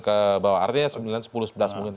sembilan kebawah artinya sembilan sepuluh sebelas mungkin